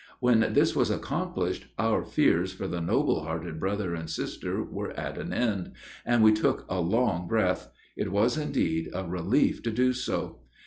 When this was accomplished, our fears for the noble hearted brother and sister were at an end, and we took a long breath; it was, indeed, a relief to do so.